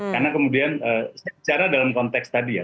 karena kemudian secara dalam konteks tadi ya